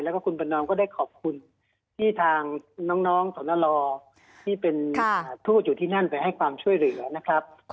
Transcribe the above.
แล้วก็คุณประนอมก็ได้ขอบคุณที่ทางน้องสนรอที่เป็นทูตอยู่ที่นั่นไปให้ความช่วยเหลือนะครับ